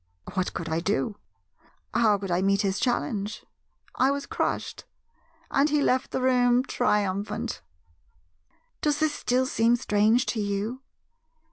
What could I do? How could I meet his challenge? I was crushed; and he left the room triumphant. "Does this still seem strange to you?